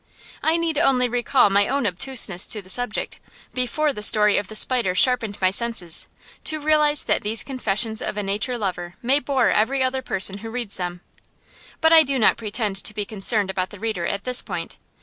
I need only recall my own obtuseness to the subject, before the story of the spider sharpened my senses, to realize that these confessions of a nature lover may bore every other person who reads them. But I do not pretend to be concerned about the reader at this point.